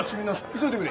急いでくれ。